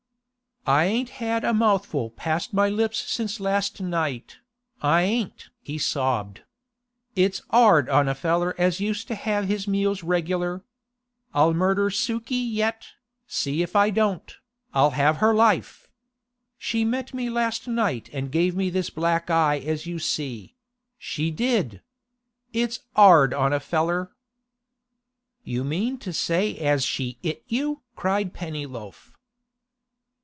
'I ain't had a mouthful past my lips since last night, I ain't!' he sobbed. 'It's 'ard on a feller as used to have his meals regular. I'll murder Suke yet, see if I don't! I'll have her life! She met me last night and gave me this black eye as you see—she did! It's 'ard on a feller.' 'You mean to say as she 'it you?' cried Pennyloaf.